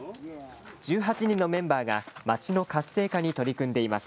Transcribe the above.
１８人のメンバーが町の活性化に取り組んでいます。